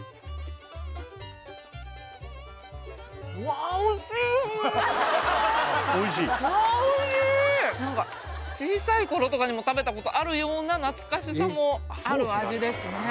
わあおいしい小さいころとかにも食べたことあるようななつかしさもある味ですね